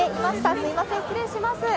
すみません、失礼します。